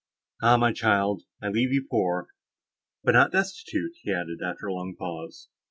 Ah, my child! I leave you poor—but not destitute," he added, after a long pause.